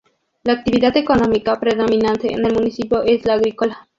La actividad económica predominante en el municipio es la agrícola.